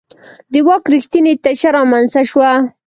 د واک رښتینې تشه رامنځته شوه.